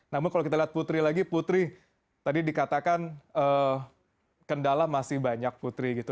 namun kalau kita lihat putri lagi putri tadi dikatakan kendala masih banyak putri gitu